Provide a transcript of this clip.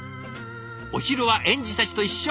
お昼は園児たちと一緒。